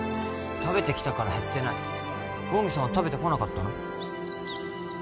食べてきたから減ってない魚見さんは食べてこなかったの？